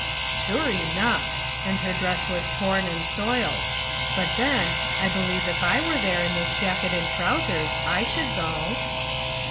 " Sure enough ! and her dress was torn and soiled ; but then, I believe if I were there in this jacket and trousers I should go."